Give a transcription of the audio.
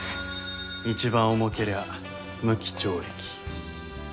一番重けりゃ無期懲役。